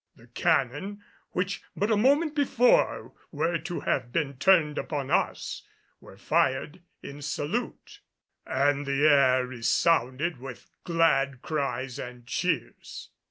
The cannon, which but a moment before were to have been turned upon us, were fired in salute and the air resounded with glad cries and cheers.